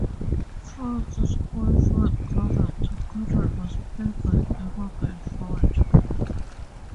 Front's school friend character, Karen was played by Imogen Front.